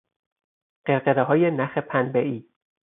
قرقرههای نخ پنبهای